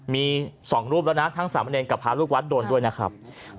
มี๒รูปแล้วนะทั้งสามเณรกับพระลูกวัดโดนด้วยนะครับ